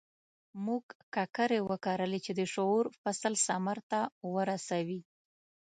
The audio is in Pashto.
موږ ککرې وکرلې چې د شعور فصل ثمر ته ورسوي.